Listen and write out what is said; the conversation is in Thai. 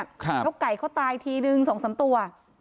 นกไก่เขาตายทีนึงสองสามตัว